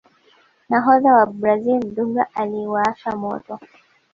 nahodha wa brazil dunga aliuwasha moto